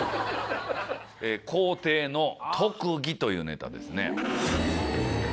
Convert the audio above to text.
コウテイの特技というネタですね。